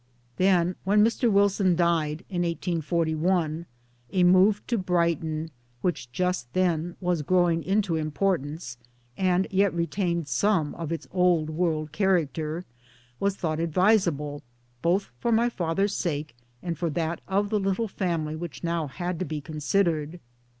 Then, when Mr. Wilson died, in 1841, a move to Brighton (which just then was growing into importance, and yet retained some of its old world character) was thought advisable, both for my father's sake and for that of the little family which now had to be considered.